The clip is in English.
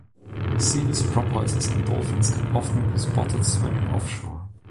Seals, porpoises and dolphins can often be spotted swimming offshore.